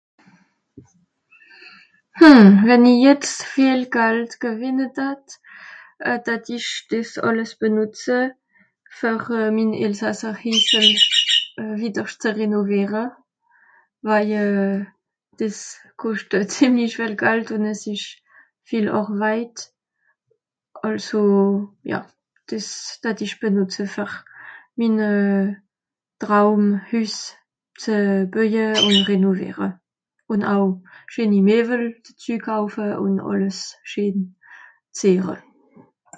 mh wenn i jetz viel geld gewìnne d'hatt euh d'hatt'isch des àlles benùtze ver mìn elsasser hissle wiederscht zu rénoviere waij euh des koscht euj zemlich viel gald ùn as esch viel àrveit àlso ja des d'hatt'isch benùtze ver minne traum hüss zu bäuje ùn rénoviere ùn aw scheeni mével dezü kaufe ùn àlles schenn ze hàn